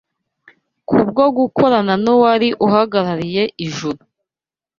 Kubwo gukorana n’uwari uhagarariye Ijuru